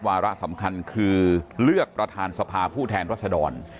วาระสำคัญคือเลือกประธานสภาผู้แทนรัศดร